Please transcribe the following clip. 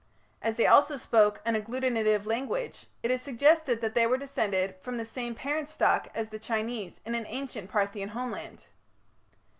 As they also spoke an agglutinative language, it is suggested that they were descended from the same parent stock as the Chinese in an ancient Parthian homeland.